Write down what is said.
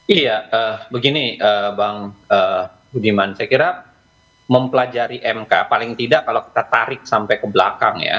iya begini bang budiman saya kira mempelajari mk paling tidak kalau kita tarik sampai ke belakang ya